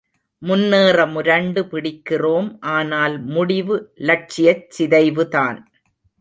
முன்னேற முரண்டு பிடிக்கிறோம், ஆனால் முடிவு லட்சியச் சிதைவுதான்.